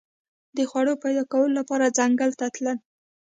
د خوړو پیدا کولو لپاره ځنګل تلل.